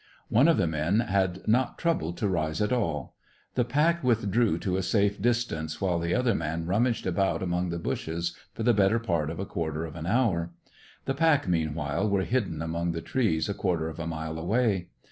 One of the men had not troubled to rise at all. The pack withdrew to a safe distance while the other man rummaged about among the bushes for the better part of a quarter of an hour. The pack, meanwhile, were hidden among the trees a quarter of a mile away.